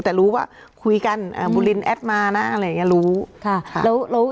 แต่รู้ว่าคุยกันบุรินแอดมานะอะไรอย่างนี้รู้แล้ว